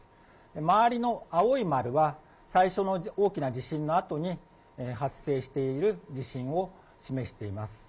周りの青い丸は、最初の大きな地震のあとに発生している地震を示しています。